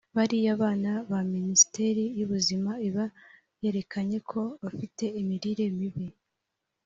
bariya bana Minisiteri y’Ubuzima iba yerekanye ko bafite imirire mibi